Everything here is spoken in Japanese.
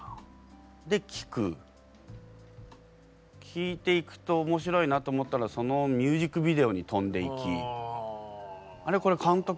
聴いていくと面白いなと思ったらそのミュージックビデオに飛んでいきあれこれ監督